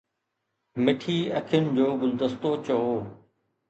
مٺي اکين جو گلدستو چئو